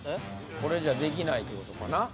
これじゃできないってことかな